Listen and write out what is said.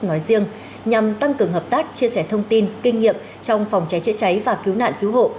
nói riêng nhằm tăng cường hợp tác chia sẻ thông tin kinh nghiệm trong phòng cháy chữa cháy và cứu nạn cứu hộ